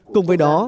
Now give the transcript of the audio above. cùng với đó